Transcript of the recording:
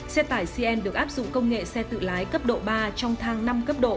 xe tải cn được áp dụng công nghệ xe tự lái cấp độ ba trong thang năm cấp độ